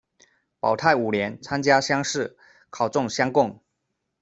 保泰五年，参加乡试，考中乡贡。